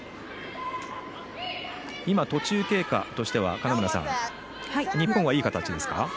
今、途中経過としては日本は、いい形ですか？